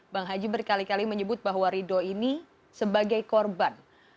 bang haji berkali kali menyebut bahwa ridho ini sebagai korban